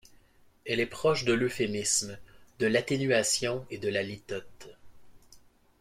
Elle est proche de l'euphémisme, de l'atténuation et de la litote.